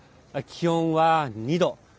気温は２度。